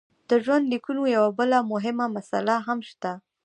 د ژوندلیکونو یوه بله مهمه مساله هم شته.